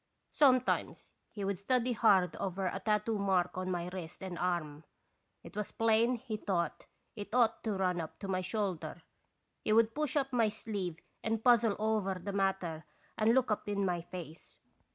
Sometimes he would study hard over a tattoo mark on my wrist and arm ; it was plain he thought it ought to run up to my shoulder ; he would push up my sleeve and puzzle over the matter and look up in my face.